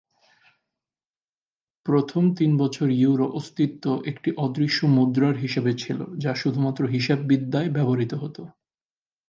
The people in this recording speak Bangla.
প্রথম তিন বছর ইউরো অস্তিত্ব একটি অদৃশ্য মুদ্রার হিসেবে ছিল, যা শুধুমাত্র হিসাববিদ্যায় ব্যবহৃত হত।